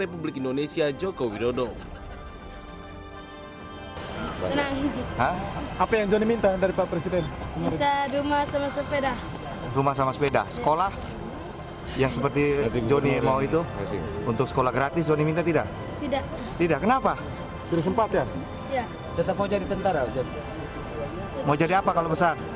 presiden republik indonesia joko widodo